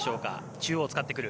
中央を使ってくる。